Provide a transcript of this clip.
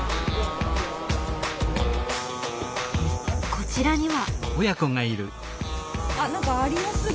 こちらには。